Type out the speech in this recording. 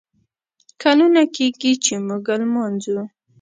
کلونه کیږي ، چې موږه لمانځو